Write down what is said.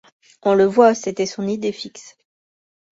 On le voit, c’était son idée fixe.